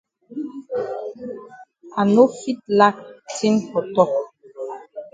I no fit lack tin for tok.